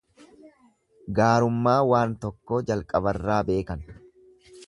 Gaarummaa waan tokkoo jalqabarraa beekan.